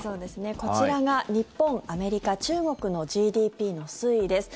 こちらが日本、アメリカ、中国のＧＤＰの推移です。